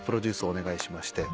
お願いしまして。